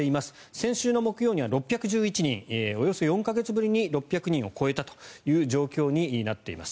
先週木曜日には６１１人およそ４か月ぶりに６００人を超えたという状況になっています。